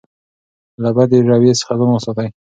له بدې رویې څخه ځان وساتئ.